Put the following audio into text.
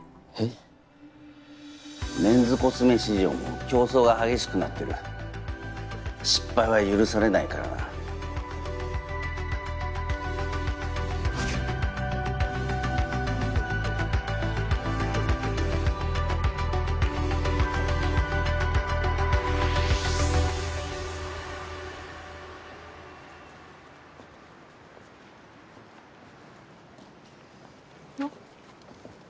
メンズコスメ市場も競争が激しくなってる失敗は許されないからなあっ。